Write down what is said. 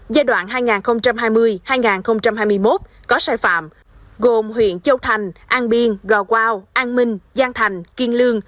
giai đoạn hai nghìn hai mươi hai nghìn hai mươi một có sai phạm gồm huyện châu thành an biên gò quao an minh giang thành kiên lương